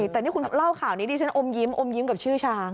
แต่นี่คุณเล่าข่าวนี้ดิฉันอมยิ้มอมยิ้มกับชื่อช้าง